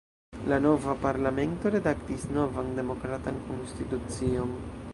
La nova Parlamento redaktis novan demokratan konstitucion.